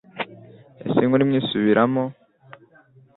Ese inkuru imwe isubiramo: